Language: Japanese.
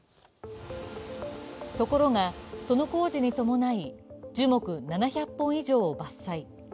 ところが、その工事に伴い、樹木７００本以上を伐採。